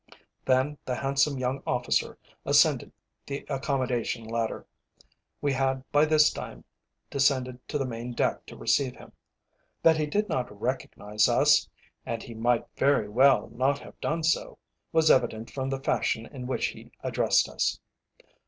Then the handsome young officer ascended the accommodation ladder. We had by this time descended to the main deck to receive him. That he did not recognise us (and he might very well not have done so) was evident from the fashion in which he addressed us.